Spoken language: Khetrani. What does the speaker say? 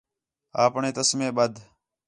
آپݨے تسمے ٻدھ